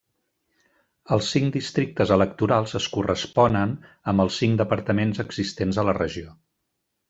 Els cinc districtes electorals es corresponen amb els cinc departaments existents a la regió.